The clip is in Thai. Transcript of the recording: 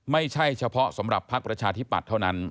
ไม่ใช่เฉพาะสำหรับภักดิ์ประชาธิปัตย์เท่านั้น